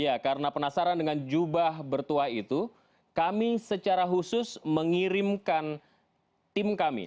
ya karena penasaran dengan jubah bertuah itu kami secara khusus mengirimkan tim kami